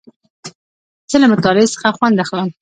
زه له مطالعې څخه خوند اخلم.